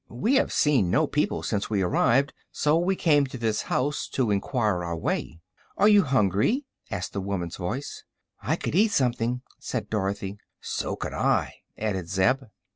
We have seen no people since we arrived, so we came to this house to enquire our way." "Are you hungry?" asked the woman's voice. "I could eat something," said Dorothy. "So could I," added Zeb.